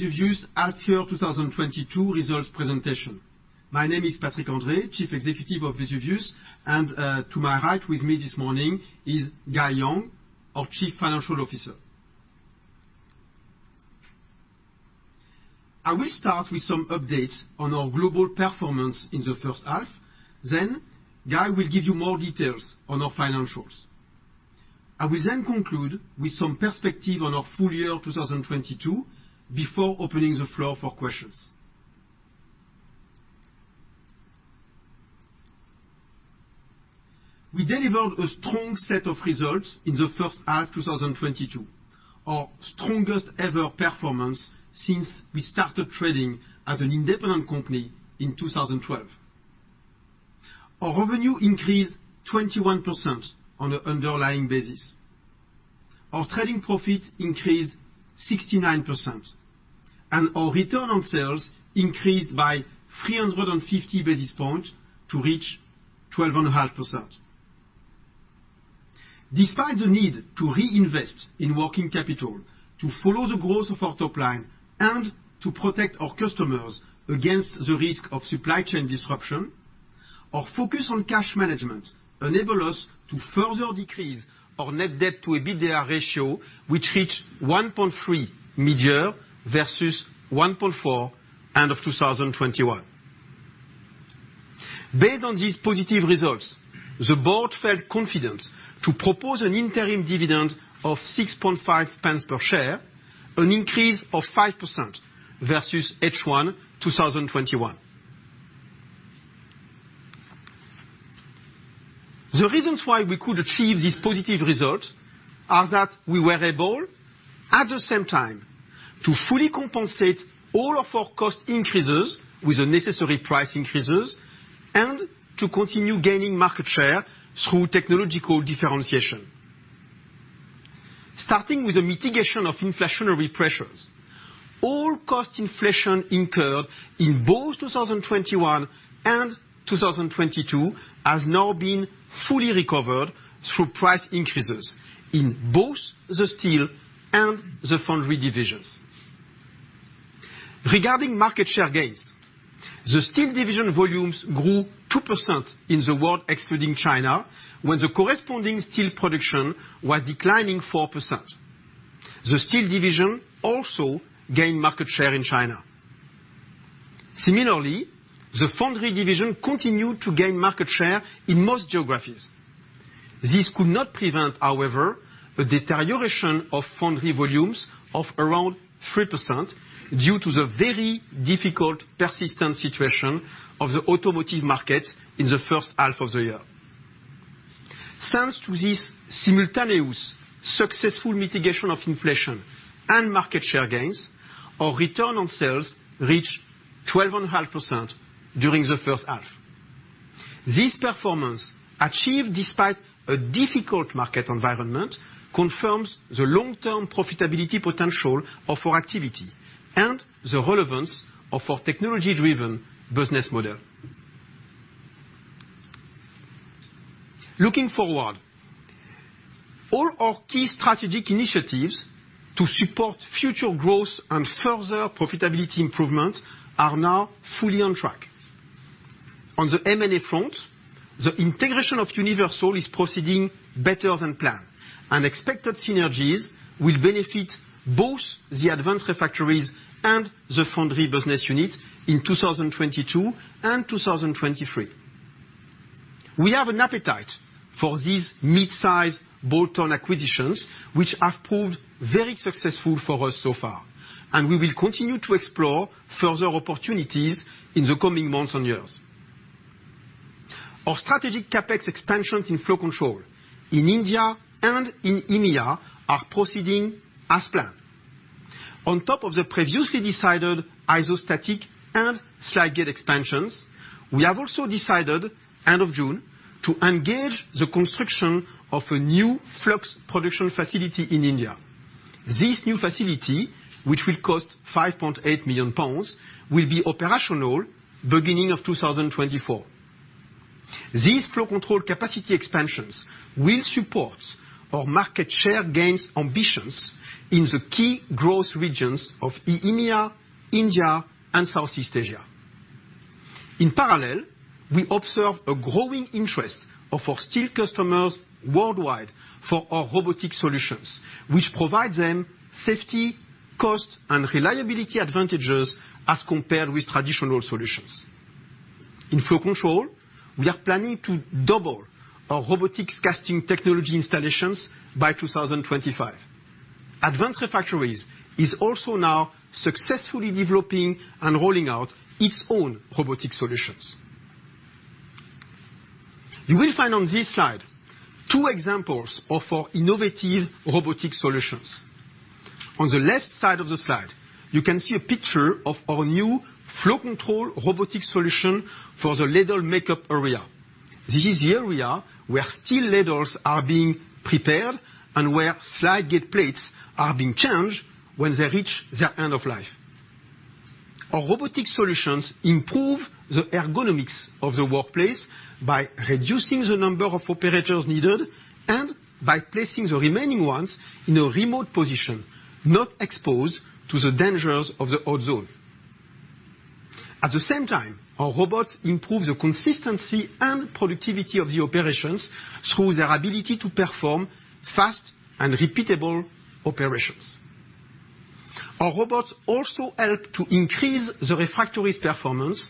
Welcome to Vesuvius's half year 2022 results presentation. My name is Patrick André, Chief Executive of Vesuvius, and to my right with me this morning is Guy Young, our Chief Financial Officer. I will start with some updates on our global performance in the first half, then Guy will give you more details on our financials. I will then conclude with some perspective on our full year of 2022 before opening the floor for questions. We delivered a strong set of results in the first half 2022. Our strongest ever performance since we started trading as an independent company in 2012. Our revenue increased 21% on an underlying basis. Our trading profit increased 69%, and our return on sales increased by 350 basis points to reach 12.5%. Despite the need to reinvest in working capital to follow the growth of our top line and to protect our customers against the risk of supply chain disruption, our focus on cash management enables us to further decrease our net debt to EBITDA ratio, which reached 1.3 versus 1.4 end of 2021. Based on these positive results, the board felt confident to propose an interim dividend of 0.065 per share, an increase of 5% versus H1 2021. The reasons why we could achieve this positive result are that we were able, at the same time, to fully compensate all of our cost increases with the necessary price increases and to continue gaining market share through technological differentiation. Starting with the mitigation of inflationary pressures. All cost inflation incurred in both 2021 and 2022 has now been fully recovered through price increases in both the Steel and the Foundry divisions. Regarding market share gains, the Steel Division volumes grew 2% in the world excluding China, when the corresponding steel production was declining 4%. The Steel Division also gained market share in China. Similarly, the Foundry Division continued to gain market share in most geographies. This could not prevent, however, a deterioration of Foundry volumes of around 3% due to the very difficult, persistent situation of the automotive markets in the first half of the year. Thanks to this simultaneous successful mitigation of inflation and market share gains, our return on sales reached 12.5% during the first half. This performance, achieved despite a difficult market environment, confirms the long-term profitability potential of our activity and the relevance of our technology-driven business model. Looking forward, all our key strategic initiatives to support future growth and further profitability improvements are now fully on track. On the M&A front, the integration of Universal is proceeding better than planned. Unexpected synergies will benefit both the Advanced Refractories and the Foundry business unit in 2022 and 2023. We have an appetite for these mid-size bolt-on acquisitions, which have proved very successful for us so far, and we will continue to explore further opportunities in the coming months and years. Our strategic CapEx expansions in Flow Control in India and in EMEA are proceeding as planned. On top of the previously decided isostatic and slide gate expansions, we have also decided, end of June, to engage the construction of a new flux production facility in India. This new facility, which will cost 5.8 million pounds, will be operational beginning of 2024. These Flow Control capacity expansions will support our market share gains ambitions in the key growth regions of EMEA, India, and Southeast Asia. In parallel, we observe a growing interest of our steel customers worldwide for our robotic solutions, which provide them safety, cost, and reliability advantages as compared with traditional solutions. In Flow Control, we are planning to double our robotics casting technology installations by 2025. Advanced Refractories is also now successfully developing and rolling out its own robotic solutions. You will find on this slide two examples of our innovative robotic solutions. On the left side of the slide, you can see a picture of our new Flow Control robotic solution for the ladle makeup area. This is the area where steel ladles are being prepared and where slide gate plates are being changed when they reach their end of life. Our robotic solutions improve the ergonomics of the workplace by reducing the number of operators needed and by placing the remaining ones in a remote position not exposed to the dangers of the hot zone. At the same time, our robots improve the consistency and productivity of the operations through their ability to perform fast and repeatable operations. Our robots also help to increase the refractories performance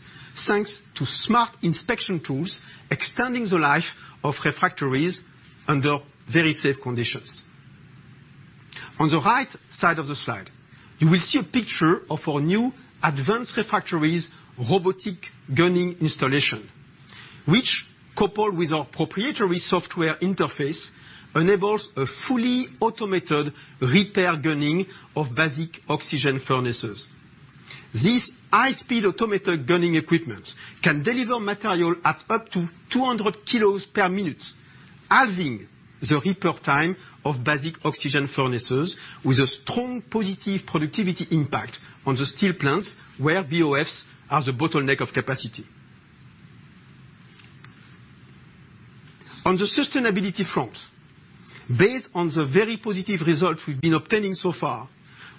thanks to smart inspection tools extending the life of refractories under very safe conditions. On the right side of the slide, you will see a picture of our new Advanced Refractories robotic gunning installation, which coupled with our proprietary software interface, enables a fully automated repair gunning of basic oxygen furnaces. This high-speed automated gunning equipment can deliver material at up to 200 kilos per minute, halving the repair time of basic oxygen furnaces with a strong positive productivity impact on the steel plants where BOFs are the bottleneck of capacity. On the sustainability front, based on the very positive results we've been obtaining so far,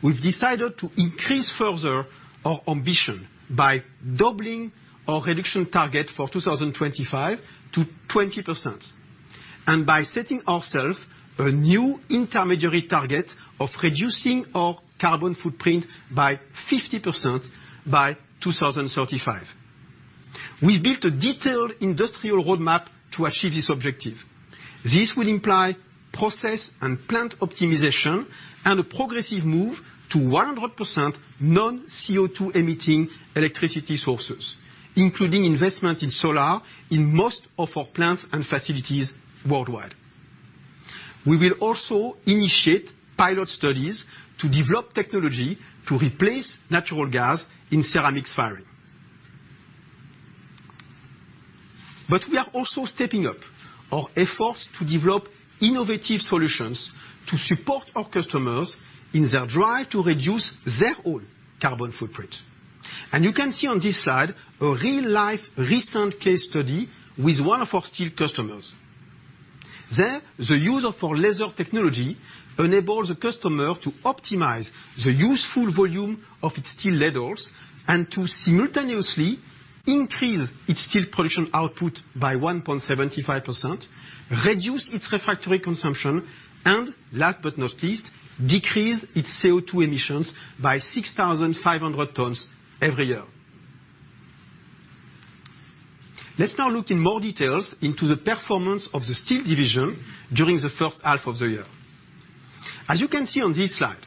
we've decided to increase further our ambition by doubling our reduction target for 2025 to 20%, and by setting ourselves a new intermediary target of reducing our carbon footprint by 50% by 2035. We built a detailed industrial roadmap to achieve this objective. This will imply process and plant optimization and a progressive move to 100% non-CO2-emitting electricity sources, including investment in solar in most of our plants and facilities worldwide. We will also initiate pilot studies to develop technology to replace natural gas in ceramics firing. We are also stepping up our efforts to develop innovative solutions to support our customers in their drive to reduce their own carbon footprint. You can see on this slide a real-life recent case study with one of our steel customers. There, the use of our laser technology enables the customer to optimize the useful volume of its steel ladles and to simultaneously increase its steel production output by 1.75%, reduce its refractory consumption, and last but not least, decrease its CO2 emissions by 6,500 tons every year. Let's now look in more details into the performance of the Steel Division during the first half of the year. As you can see on this slide,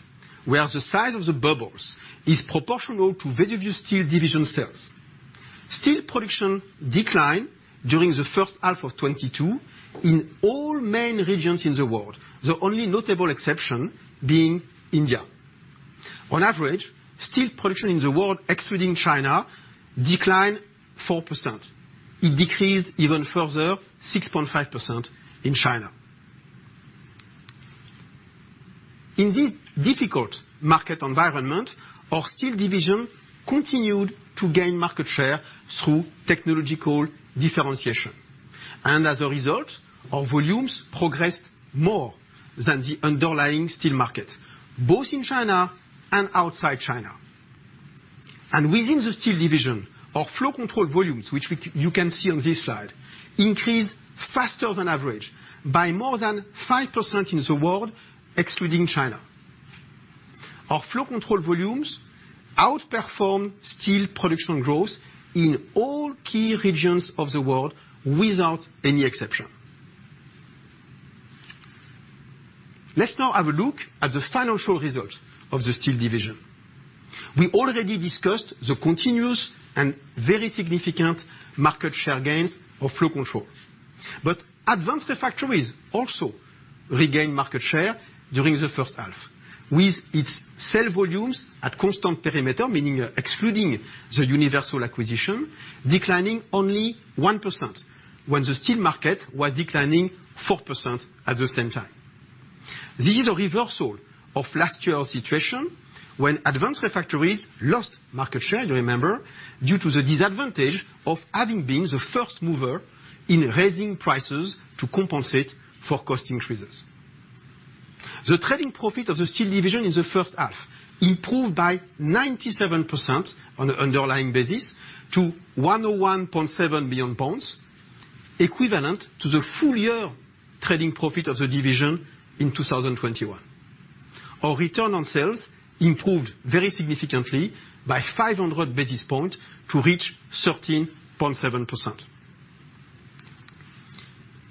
where the size of the bubbles is proportional to the revenue Steel Division sales. Steel production declined during the first half of 2022 in all main regions in the world, the only notable exception being India. On average, steel production in the world, excluding China, declined 4%. It decreased even further 6.5% in China. In this difficult market environment, our Steel Division continued to gain market share through technological differentiation. As a result, our volumes progressed more than the underlying steel market, both in China and outside China. Within the Steel Division, our Flow Control volumes, which you can see on this slide, increased faster than average by more than 5% in the world, excluding China. Our Flow Control volumes outperformed steel production growth in all key regions of the world without any exception. Let's now have a look at the financial results of the Steel Division. We already discussed the continuous and very significant market share gains of Flow Control. Advanced Refractories also regained market share during the first half with its sales volumes at constant perimeter, meaning excluding the Universal acquisition, declining only 1% when the steel market was declining 4% at the same time. This is a reversal of last year's situation when Advanced Refractories lost market share, remember, due to the disadvantage of having been the first mover in raising prices to compensate for cost increases. The trading profit of the Steel Division in the first half improved by 97% on the underlying basis to 101.7 million pounds, equivalent to the full year trading profit of the division in 2021. Our return on sales improved very significantly by 500 basis points to reach 13.7%.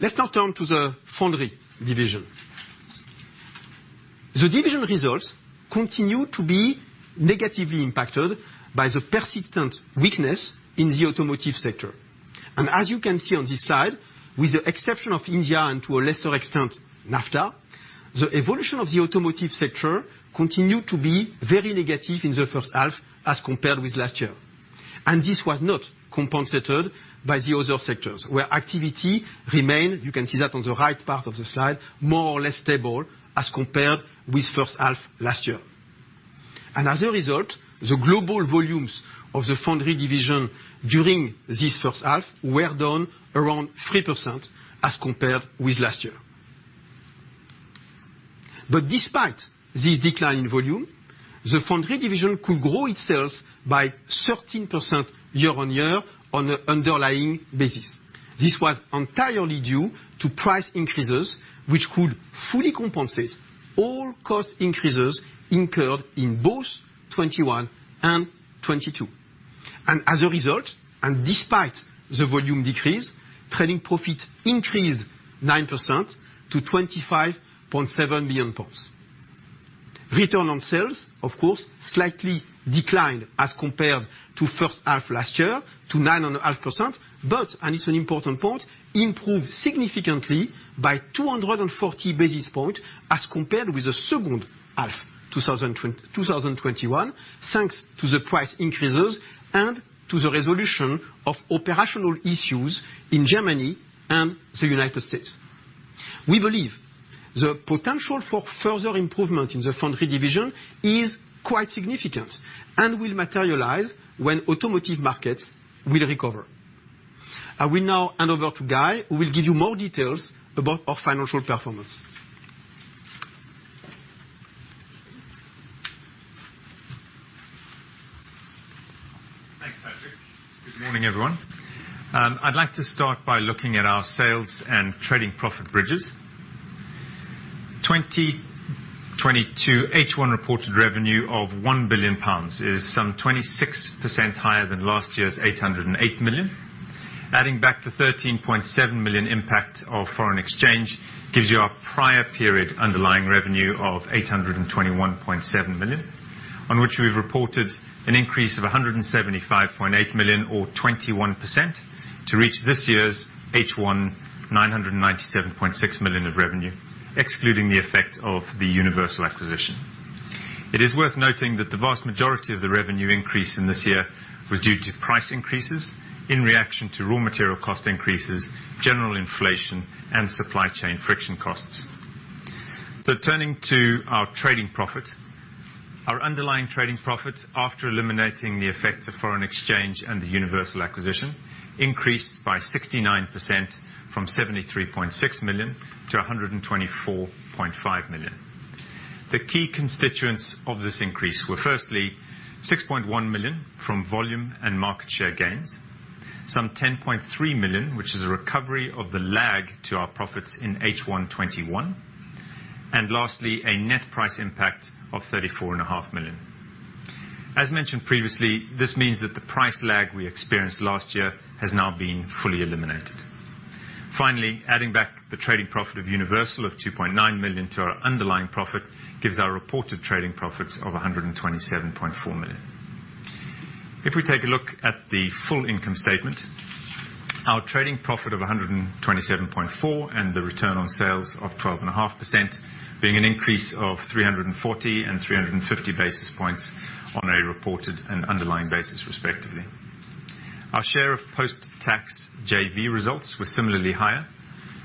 Let's now turn to the Foundry Division. The division results continue to be negatively impacted by the persistent weakness in the automotive sector. As you can see on this slide, with the exception of India and to a lesser extent, NAFTA, the evolution of the automotive sector continued to be very negative in the first half as compared with last year. This was not compensated by the other sectors where activity remained, you can see that on the right part of the slide, more or less stable as compared with first half last year. As a result, the global volumes of the Foundry division during this first half were down around 3% as compared with last year. Despite this decline in volume, the Foundry division could grow its sales by 13% year-over-year on a underlying basis. This was entirely due to price increases, which could fully compensate all cost increases incurred in both 2021 and 2022. As a result, and despite the volume decrease, trading profit increased 9% to 25.7 million pounds. Return on sales, of course, slightly declined as compared to first half last year to 9.5%. and it's an important point, improved significantly by 240 basis points as compared with the second half 2021, thanks to the price increases and to the resolution of operational issues in Germany and the United States. We believe the potential for further improvement in the Foundry division is quite significant and will materialize when automotive markets will recover. I will now hand over to Guy, who will give you more details about our financial performance. Thanks, Patrick. Good morning, everyone. I'd like to start by looking at our sales and trading profit bridges. 2022 H1 reported revenue of 1 billion pounds is some 26% higher than last year's 808 million. Adding back the 13.7 million impact of foreign exchange gives you our prior period underlying revenue of 821.7 million, on which we've reported an increase of 175.8 million or 21% to reach this year's H1 997.6 million of revenue, excluding the effect of the Universal acquisition. It is worth noting that the vast majority of the revenue increase in this year was due to price increases in reaction to raw material cost increases, general inflation, and supply chain friction costs. Turning to our trading profit. Our underlying trading profit, after eliminating the effects of foreign exchange and the Universal acquisition, increased by 69% from 73.6 million-124.5 million. The key constituents of this increase were firstly 6.1 million from volume and market share gains, some 10.3 million, which is a recovery of the lag to our profits in H1 2021. Lastly, a net price impact of 34.5 million. As mentioned previously, this means that the price lag we experienced last year has now been fully eliminated. Finally, adding back the trading profit of Universal of 2.9 million to our underlying profit gives our reported trading profit of 127.4 million. If we take a look at the full income statement, our trading profit of 127.4 million and the return on sales of 12.5% being an increase of 340 and 350 basis points on a reported and underlying basis, respectively. Our share of post-tax JV results were similarly higher,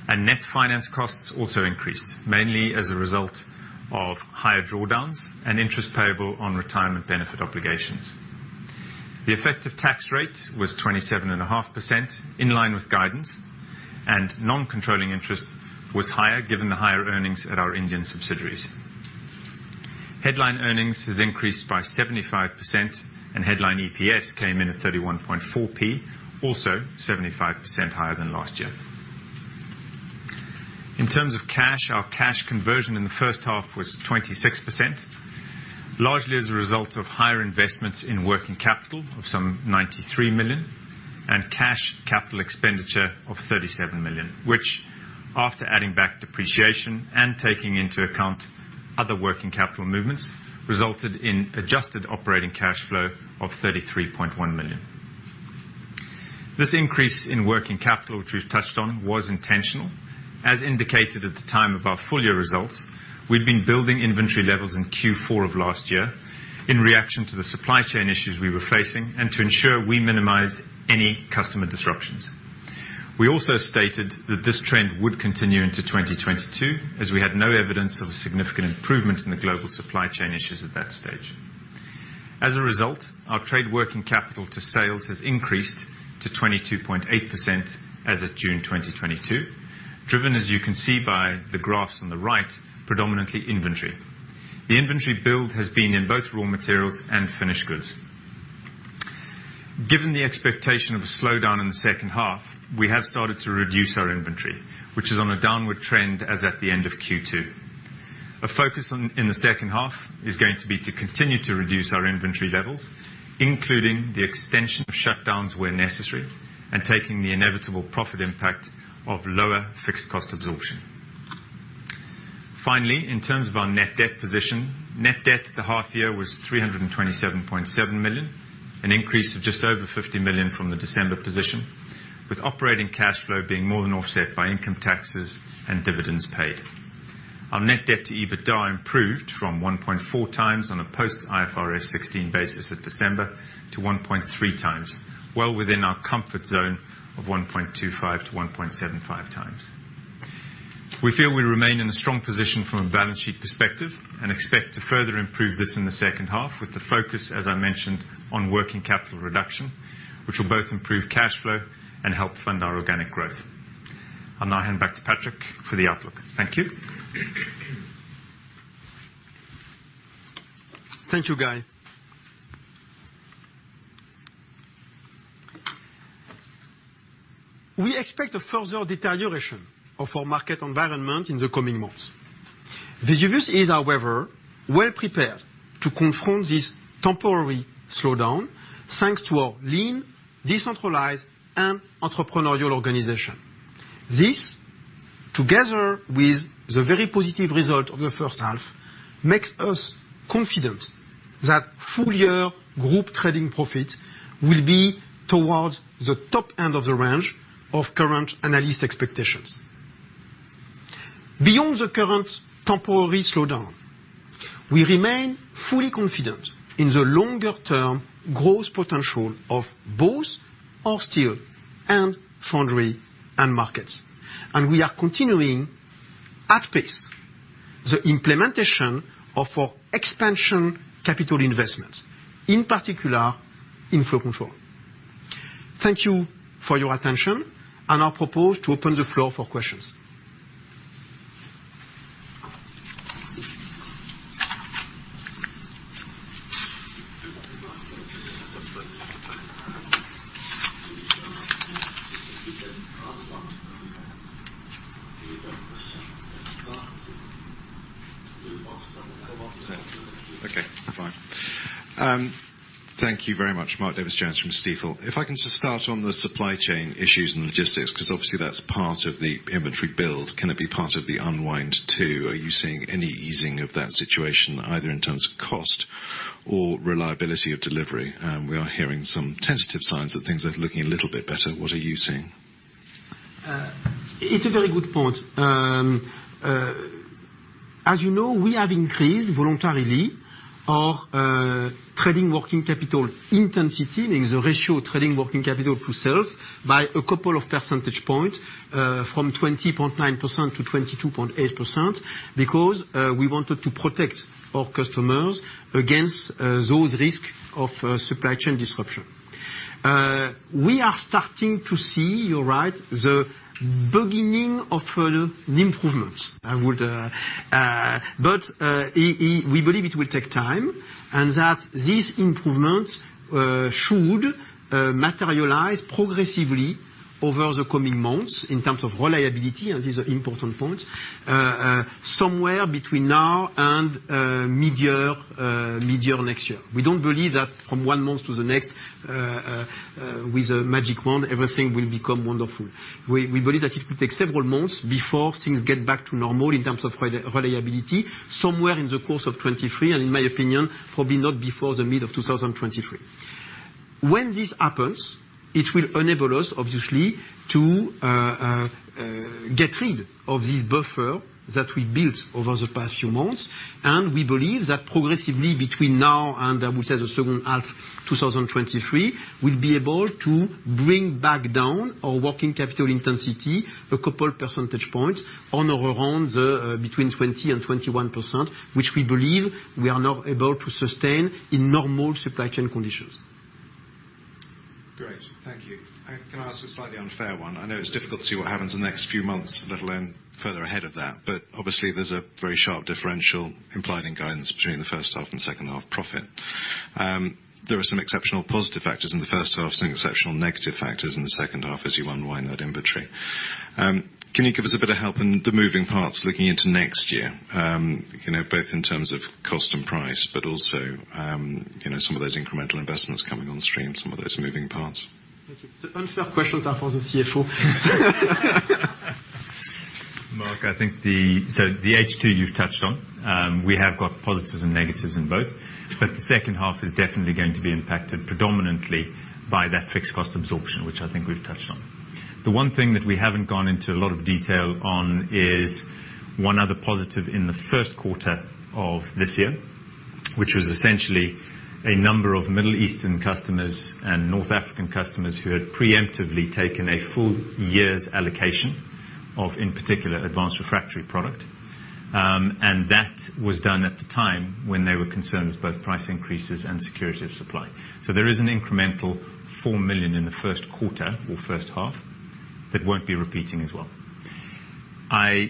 and net finance costs also increased, mainly as a result of higher drawdowns and interest payable on retirement benefit obligations. The effective tax rate was 27.5%, in line with guidance, and non-controlling interest was higher given the higher earnings at our Indian subsidiaries. Headline earnings has increased by 75%, and headline EPS came in at 31.4p, also 75% higher than last year. In terms of cash, our cash conversion in the first half was 26%, largely as a result of higher investments in working capital of some 93 million and cash capital expenditure of 37 million, which after adding back depreciation and taking into account other working capital movements, resulted in adjusted operating cash flow of 33.1 million. This increase in working capital, which we've touched on, was intentional. As indicated at the time of our full year results, we'd been building inventory levels in Q4 of last year in reaction to the supply chain issues we were facing and to ensure we minimized any customer disruptions. We also stated that this trend would continue into 2022, as we had no evidence of a significant improvement in the global supply chain issues at that stage. As a result, our trade working capital to sales has increased to 22.8% as of June 2022, driven, as you can see by the graphs on the right, predominantly inventory. The inventory build has been in both raw materials and finished goods. Given the expectation of a slowdown in the second half, we have started to reduce our inventory, which is on a downward trend as at the end of Q2. A focus in the second half is going to be to continue to reduce our inventory levels, including the extension of shutdowns where necessary, and taking the inevitable profit impact of lower fixed cost absorption. Finally, in terms of our net debt position, net debt at the half year was 327.7 million, an increase of just over 50 million from the December position, with operating cash flow being more than offset by income taxes and dividends paid. Our net debt to EBITDA improved from 1.4x on a post IFRS 16 basis at December to 1.3x. Well within our comfort zone of 1.25x-1.75x. We feel we remain in a strong position from a balance sheet perspective and expect to further improve this in the second half with the focus, as I mentioned, on working capital reduction, which will both improve cash flow and help fund our organic growth. I'll now hand back to Patrick for the outlook. Thank you. Thank you, Guy. We expect a further deterioration of our market environment in the coming months. Vesuvius is, however, well prepared to confront this temporary slowdown, thanks to our lean, decentralized and entrepreneurial organization. This, together with the very positive result of the first half, makes us confident that full year group trading profit will be towards the top end of the range of current analyst expectations. Beyond the current temporary slowdown, we remain fully confident in the longer-term growth potential of both our Steel and Foundry end markets. We are continuing at pace the implementation of our expansion capital investments, in particular, in Flow Control. Thank you for your attention, and I'll propose to open the floor for questions. Okay, fine. Thank you very much. Mark Davies Jones from Stifel. If I can just start on the supply chain issues and logistics, 'cause obviously that's part of the inventory build. Can it be part of the unwind, too? Are you seeing any easing of that situation, either in terms of cost or reliability of delivery? We are hearing some tentative signs that things are looking a little bit better. What are you seeing? It's a very good point. As you know, we have increased voluntarily our trading working capital intensity, means the ratio of trading working capital to sales, by a couple of percentage points from 20.9% to 22.8%, because we wanted to protect our customers against those risks of supply chain disruption. We are starting to see, you're right, the beginning of improvements. We believe it will take time, and that these improvements should materialize progressively over the coming months in terms of reliability, and this is an important point, somewhere between now and mid-year next year. We don't believe that from one month to the next with a magic wand, everything will become wonderful. We believe that it will take several months before things get back to normal in terms of reliability, somewhere in the course of 2023, and in my opinion, probably not before the mid of 2023. When this happens, it will enable us, obviously, to get rid of this buffer that we built over the past few months. We believe that progressively between now and, I would say, the second half 2023, we'll be able to bring back down our working capital intensity a couple percentage points on or around the between 20%-21%, which we believe we are now able to sustain in normal supply chain conditions. Great. Thank you. Can I ask a slightly unfair one? I know it's difficult to see what happens in the next few months, let alone further ahead of that. Obviously, there's a very sharp differential implied in guidance between the first half and second half profit. There are some exceptional positive factors in the first half, some exceptional negative factors in the second half as you unwind that inventory. Can you give us a bit of help in the moving parts looking into next year? You know, both in terms of cost and price, but also, you know, some of those incremental investments coming on stream, some of those moving parts. Thank you. The unfair questions are for the CFO. Mark, I think the H2 you've touched on. We have got positives and negatives in both, but the second half is definitely going to be impacted predominantly by that fixed cost absorption, which I think we've touched on. The one thing that we haven't gone into a lot of detail on is one other positive in the first quarter of this year, which was essentially a number of Middle Eastern customers and North African customers who had preemptively taken a full year's allocation of, in particular, advanced refractory product. That was done at the time when they were concerned with both price increases and security of supply. There is an incremental 4 million in the first quarter or first half that won't be repeating as well. I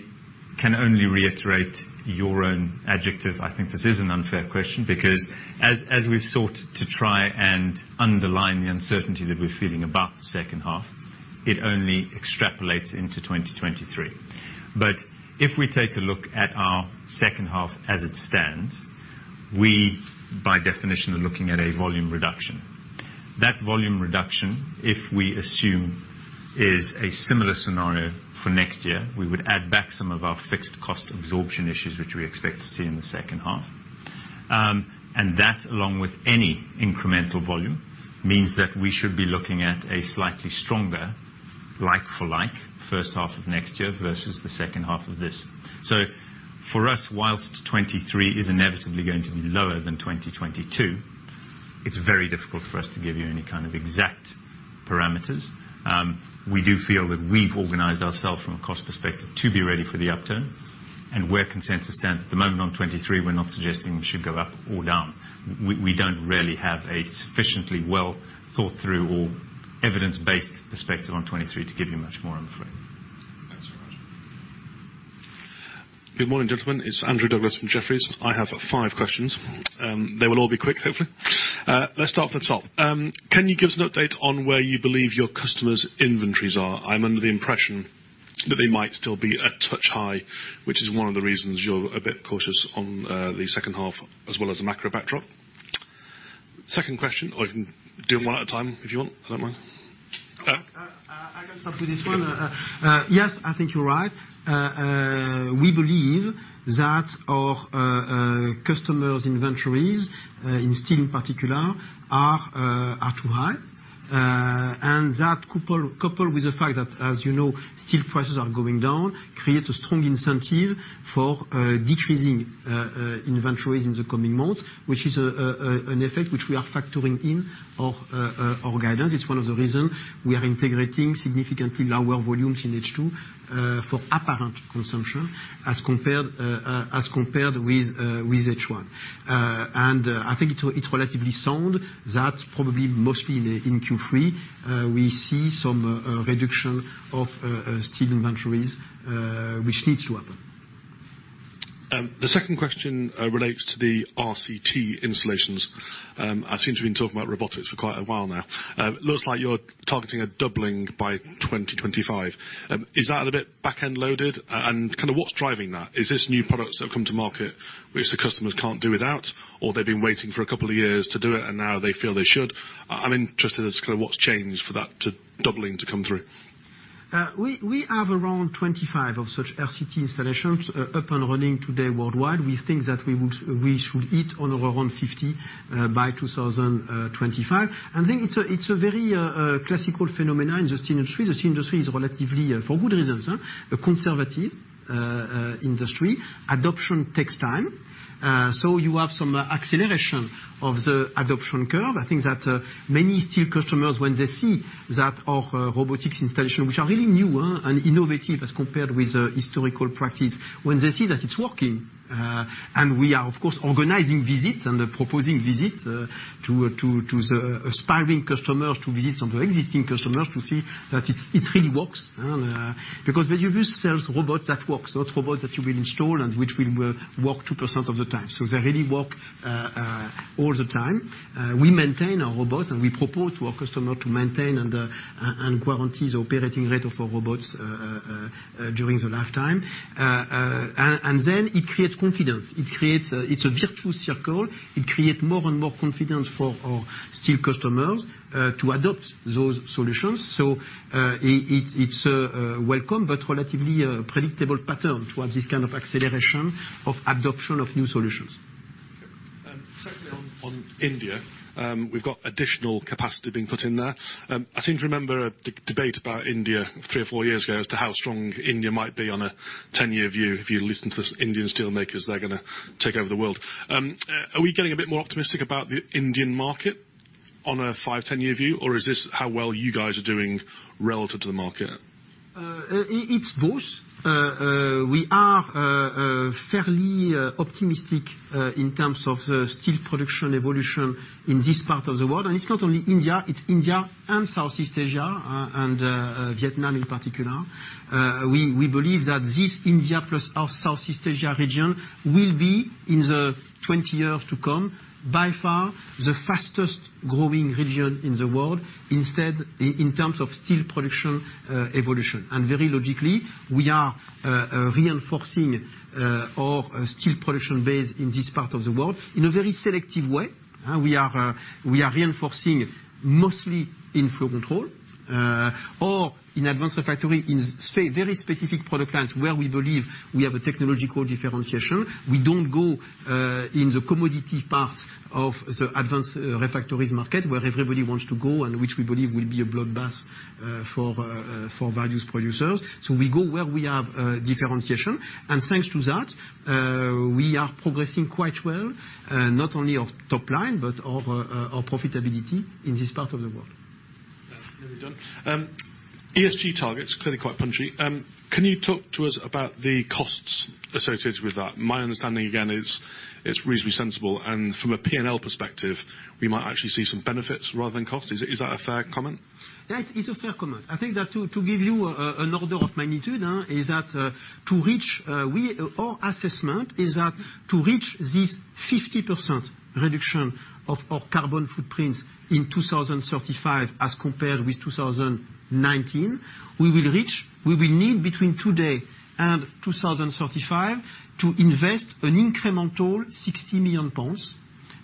can only reiterate your own adjective. I think this is an unfair question because as we've sought to try and underline the uncertainty that we're feeling about the second half, it only extrapolates into 2023. If we take a look at our second half as it stands, we, by definition, are looking at a volume reduction. That volume reduction, if we assume is a similar scenario for next year, we would add back some of our fixed cost absorption issues, which we expect to see in the second half. That, along with any incremental volume, means that we should be looking at a slightly stronger like for like first half of next year versus the second half of this. For us, while 2023 is inevitably going to be lower than 2022, it's very difficult for us to give you any kind of exact parameters. We do feel that we've organized ourselves from a cost perspective to be ready for the upturn. Where consensus stands at the moment on 2023, we're not suggesting should go up or down. We don't really have a sufficiently well thought through or evidence-based perspective on 2023 to give you much more on the front. Thanks very much. Good morning, gentlemen. It's Andrew Douglas from Jefferies. I have five questions. They will all be quick, hopefully. Let's start from the top. Can you give us an update on where you believe your customers' inventories are? I'm under the impression that they might still be a touch high, which is one of the reasons you're a bit cautious on the second half as well as the macro backdrop. Second question, or I can do one at a time, if you want. I don't mind. I can start with this one. Yes, I think you're right. We believe that our customers' inventories in steel in particular are too high. Coupled with the fact that, as you know, steel prices are going down, creates a strong incentive for decreasing inventories in the coming months. Which is an effect which we are factoring in our guidance. It's one of the reasons we are integrating significantly lower volumes in H2 for apparent consumption as compared with H1. I think it's relatively sound. That's probably mostly in Q3. We see some reduction of steel inventories, which needs to happen. The second question relates to the RCT installations. I seem to have been talking about robotics for quite a while now. Looks like you're targeting a doubling by 2025. Is that a bit back end loaded? And kind of what's driving that? Is these new products that have come to market which the customers can't do without? Or they've been waiting for a couple of years to do it and now they feel they should? I'm interested as to kind of what's changed for that doubling to come through. We have around 25 of such RCT installations up and running today worldwide. We think that we should hit on or around 50 by 2025. I think it's a very classical phenomenon in the steel industry. The steel industry is relatively, for good reasons, a conservative industry. Adoption takes time. You have some acceleration of the adoption curve. I think that many steel customers, when they see that our robotics installation, which are really new and innovative as compared with historical practice. When they see that it's working and we are, of course, organizing visits and proposing visits to the aspiring customers to visit some of the existing customers to see that it really works. Because when you use sales robots that works, not robots that you will install, and which will work 2% of the time. They really work all the time. We maintain our robot and we propose to our customer to maintain and guarantees operating rate of our robots during their lifetime. Then it creates confidence. It creates. It's a virtuous circle. It creates more and more confidence for our steel customers to adopt those solutions. It's a welcome but relatively predictable pattern to have this kind of acceleration of adoption of new solutions. Secondly on India, we've got additional capacity being put in there. I seem to remember a debate about India three or four years ago as to how strong India might be on a 10-year view. If you listen to Indian steel makers, they're gonna take over the world. Are we getting a bit more optimistic about the Indian market on a five, 10-year view, or is this how well you guys are doing relative to the market? It's both. We are fairly optimistic in terms of steel production evolution in this part of the world. It's not only India, it's India and Southeast Asia, and Vietnam in particular. We believe that this India plus our Southeast Asia region will be, in the 20 years to come, by far the fastest growing region in the world instead, in terms of steel production evolution. Very logically, we are reinforcing our steel production base in this part of the world in a very selective way. We are reinforcing mostly in Flow Control or in Advanced Refractories in very specific product lines where we believe we have a technological differentiation. We don't go in the commodity part of the Advanced Refractories market where everybody wants to go and which we believe will be a bloodbath for various producers. We go where we have differentiation. Thanks to that, we are progressing quite well not only of top line, but of our profitability in this part of the world. Yeah. Nearly done. ESG targets, clearly quite punchy. Can you talk to us about the costs associated with that? My understanding, again, is it's reasonably sensible, and from a P&L perspective, we might actually see some benefits rather than costs. Is that a fair comment? That is a fair comment. I think that to give you an order of magnitude is that our assessment is that to reach this 50% reduction of our carbon footprints in 2035 as compared with 2019, we will need between today and 2035 to invest an incremental 60 million pounds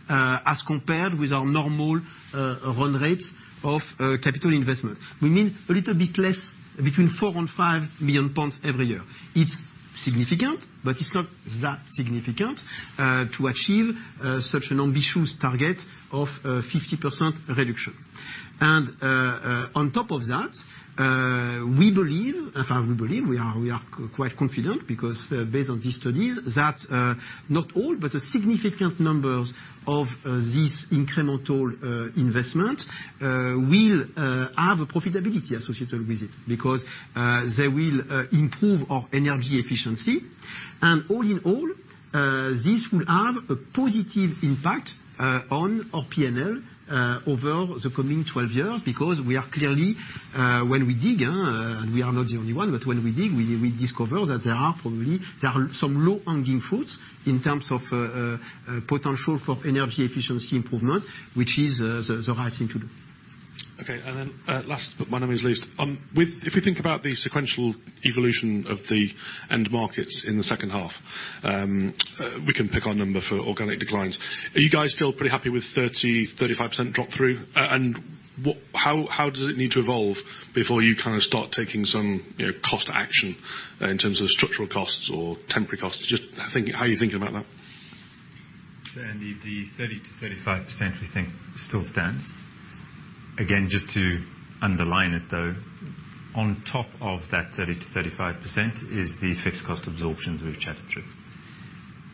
as compared with our normal run rates of capital investment. We mean a little bit less, between 4 million and 5 million pounds every year. It's significant, but it's not that significant to achieve such an ambitious target of 50% reduction. On top of that, we believe, in fact, we are quite confident because based on these studies, that not all, but a significant number of this incremental investment will have a profitability associated with it because they will improve our energy efficiency. All in all, this will have a positive impact on our P&L over the coming 12 years because we are clearly, when we dig, and we are not the only one, but when we dig, we discover that there are probably some low-hanging fruits in terms of potential for energy efficiency improvement, which is the right thing to do. Okay. Last but not least. If we think about the sequential evolution of the end markets in the second half, we can pick our number for organic declines. Are you guys still pretty happy with 30%-35% drop-through? And how does it need to evolve before you kinda start taking some, you know, cost action, in terms of structural costs or temporary costs? Just how are you thinking about that? The 30%-35% we think still stands. Again, just to underline it, though, on top of that 30%-35% is the fixed cost absorptions we've chatted through.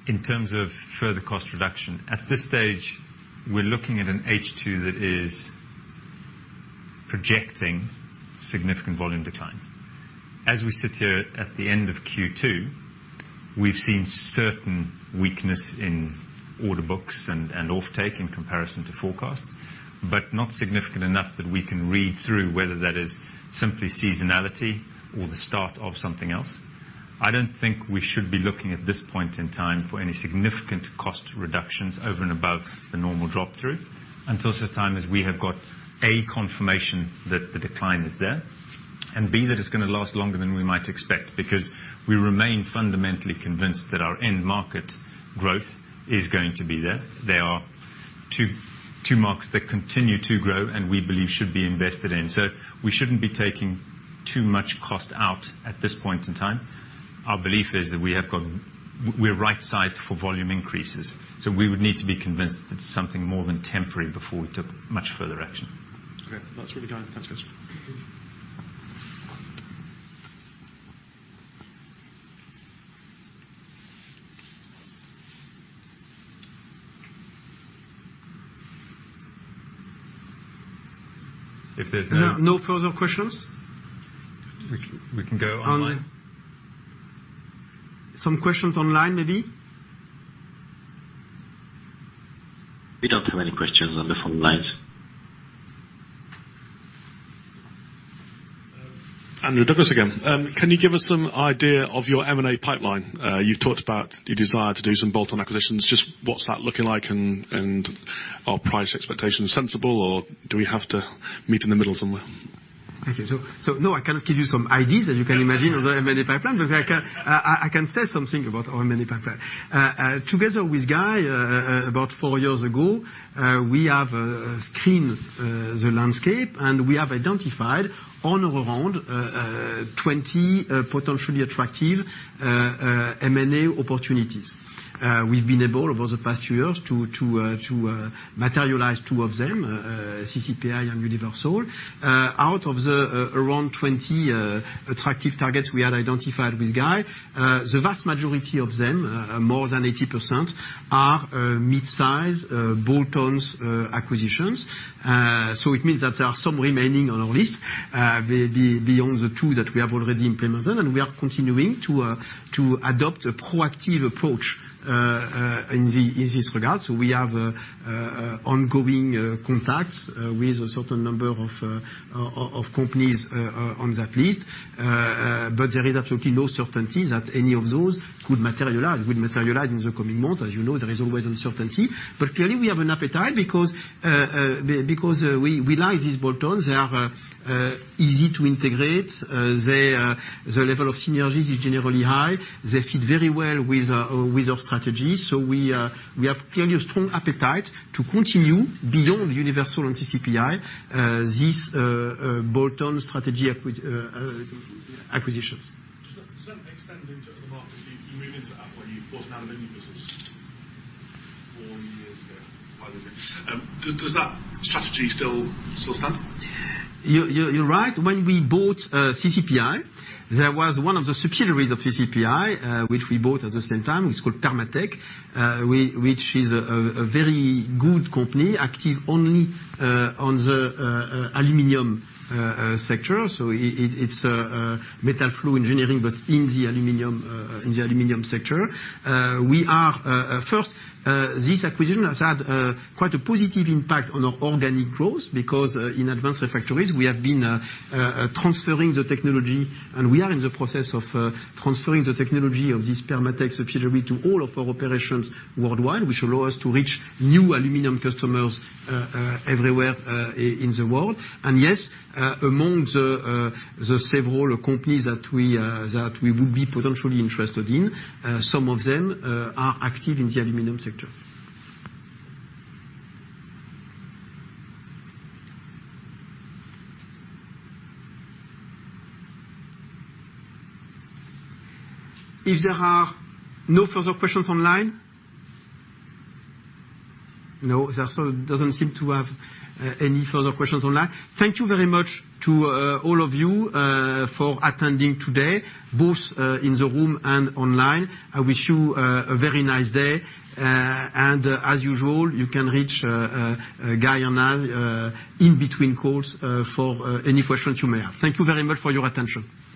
In terms of further cost reduction, at this stage, we're looking at an H2 that is projecting significant volume declines. As we sit here at the end of Q2, we've seen certain weakness in order books and offtake in comparison to forecasts, but not significant enough that we can read through whether that is simply seasonality or the start of something else. I don't think we should be looking at this point in time for any significant cost reductions over and above the normal drop-through until such time as we have got, A, confirmation that the decline is there, and B, that it's gonna last longer than we might expect, because we remain fundamentally convinced that our end market growth is going to be there. They are two markets that continue to grow and we believe should be invested in. We shouldn't be taking too much cost out at this point in time. Our belief is that we have got. We're right-sized for volume increases, so we would need to be convinced it's something more than temporary before we took much further action. Okay. That's really kind. Thanks, guys. If there's no. No further questions? We can go online. Some questions online, maybe? We don't have any questions on the phone lines. Andrew Douglas again. Can you give us some idea of your M&A pipeline? You've talked about your desire to do some bolt-on acquisitions. Just what's that looking like and are price expectations sensible, or do we have to meet in the middle somewhere? No, I cannot give you some ideas, as you can imagine, of our M&A pipeline. I can say something about our M&A pipeline. Together with Guy, about four years ago, we have screened the landscape and we have identified around 20 potentially attractive M&A opportunities. We've been able over the past years to materialize two of them, CCPI and Universal. Out of the around 20 attractive targets we had identified with Guy, the vast majority of them, more than 80%, are mid-size bolt-ons acquisitions. It means that there are some remaining on our list beyond the two that we have already implemented, and we are continuing to adopt a proactive approach in this regard. We have ongoing contacts with a certain number of companies on that list. There is absolutely no certainty that any of those could materialize, will materialize in the coming months. As you know, there is always uncertainty. Clearly, we have an appetite because we like these bolt-ons. They are easy to integrate. The level of synergies is generally high. They fit very well with our strategy. We have clearly a strong appetite to continue beyond Universal and CCPI, this bolt-on strategy acqui. acquisitions. Does that extend into other markets you move into where you wasn't out of any business four years ago? Does that strategy still stand? You're right. When we bought CCPI, there was one of the subsidiaries of CCPI, which we bought at the same time. It's called Termatec, which is a very good company, active only on the aluminum sector. It's metal flow engineering, but in the aluminum sector. First, this acquisition has had quite a positive impact on our organic growth because in Advanced Refractories, we have been transferring the technology, and we are in the process of transferring the technology of this Termatec subsidiary to all of our operations worldwide, which allow us to reach new aluminum customers everywhere in the world. Yes, among the several companies that we would be potentially interested in, some of them are active in the aluminum sector. If there are no further questions online. No, there doesn't seem to be any further questions online. Thank you very much to all of you for attending today, both in the room and online. I wish you a very nice day. As usual, you can reach Guy or Nav in between calls for any questions you may have. Thank you very much for your attention.